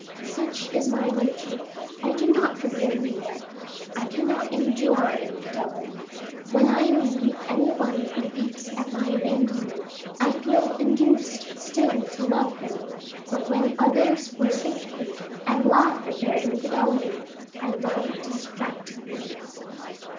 "Such is my nature. I do not forgive neglect I cannot endure infidelity. When I leave any one who weeps at my abandonment, I feel induced still to love him; but when others forsake me and laugh at their infidelity, I love distractedly."